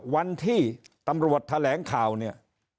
วันที่ตำรวจแถลงข่าวเนี่ย